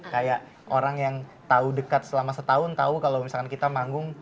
kayak orang yang tau dekat selama setahun tau kalo misalkan kita manggung